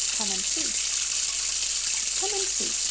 COME AND SEE! "Come and see."